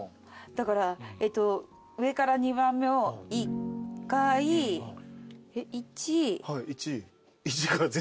だから上から２番目を１回１。